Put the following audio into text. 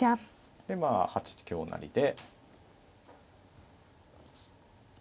でまあ８一香成で。